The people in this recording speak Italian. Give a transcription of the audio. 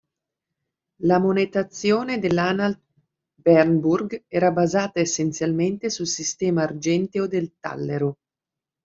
La monetazione dell'Anhalt-Bernburg era basata essenzialmente sul sistema argenteo del tallero.